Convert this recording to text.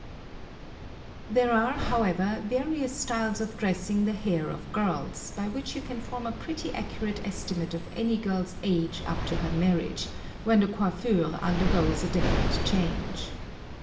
There are, however, various styles of dressing the hair of girls, by which you can form a pretty accurate estimate of any girl's age up to her marriage, when the coiffure undergoes a definite change.